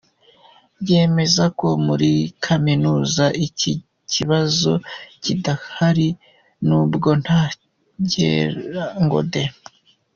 Yemeza ko muri Kaminuza iki kibazo kidahari nubwo nta byera ngo de.